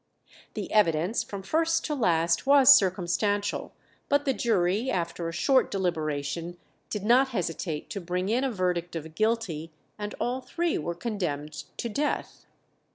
The evidence from first to last was circumstantial, but the jury, after a short deliberation, did not hesitate to bring in a verdict of guilty, and all three were condemned to death.